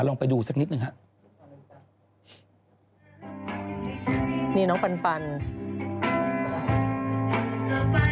ลองไปดูสักนิดหนึ่งครับ